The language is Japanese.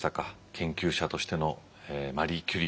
研究者としてのマリー・キュリー。